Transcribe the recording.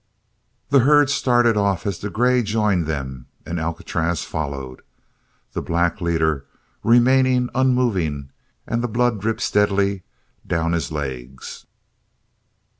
The herd started off as the grey joined them and Alcatraz followed; the black leader remaining unmoving and the blood dripped steadily down his legs.